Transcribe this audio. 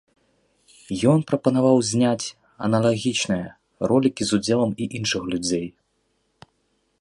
Ён прапанаваў зняць аналагічныя ролікі з удзелам і іншых людзей.